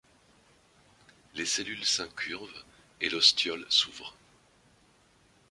Les cellules s'incurvent et l'ostiole s'ouvre.